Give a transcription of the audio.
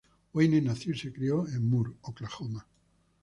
Wayne nació y se crio en Moore, Oklahoma.